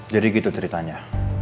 jadi gitu ceritanya